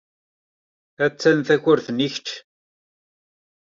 Attan takurt-nni i kecc.